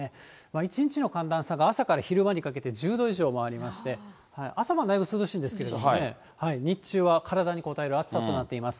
１日の寒暖差が朝から昼間にかけて１０度以上もありまして、朝晩、だいぶ涼しいんですけどね、日中は体にこたえる暑さとなっています。